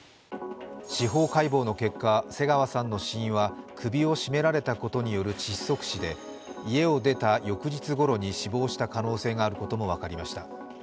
司法解剖の結果、瀬川さんの死因は首を絞められたことによる窒息死で家を出た翌日頃に死亡した可能性があることも分かりました。